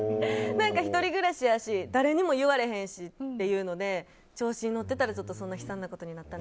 １人暮らしやし誰にも言われへんしっていうので調子に乗ってたら悲惨なことになって。